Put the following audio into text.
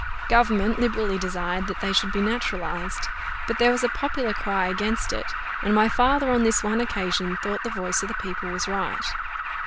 Government liberally desired that they should be naturalized, but there was a popular cry against it, and my father on this one occasion thought the voice of the people was right.